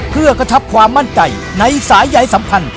เพื่อกระชับความมั่นใจในสายใยสัมพันธ์